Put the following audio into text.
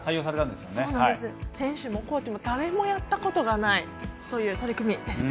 選手もコーチも誰もやったことないという取り組みでした。